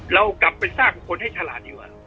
เรากลับไปสร้างคนให้ฉลาดให้กว่า